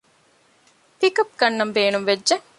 ޕިކަޕް ގަންނަން ބޭނުންވެއްޖެ